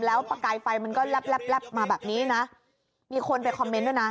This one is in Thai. แล้วประกายไฟมันก็แลบแลบมาแบบนี้นะมีคนไปคอมเมนต์ด้วยนะ